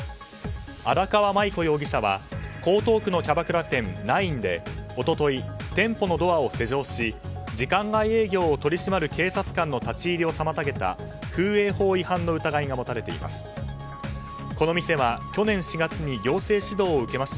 荒川舞子容疑者は江東区のキャバクラ店９で一昨日店舗のドアを施錠し時間外営業を取り締まる警察官の立ち入りを妨げた風営法違反の疑いが持たれています。